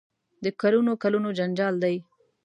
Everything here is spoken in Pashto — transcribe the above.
د کلونو کلونو جنجال دی.